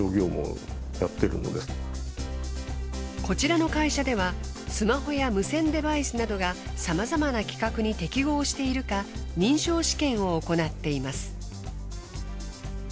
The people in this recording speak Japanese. こちらの会社ではスマホや無線デバイスなどがさまざまな規格に適合しているか認証試験を行っています。